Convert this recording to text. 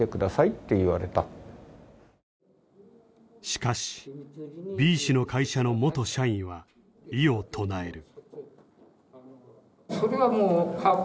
しかしＢ氏の会社の元社員は異を唱える。